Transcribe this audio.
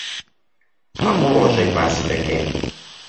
هەموو ڕۆژێک باسی دەکەین.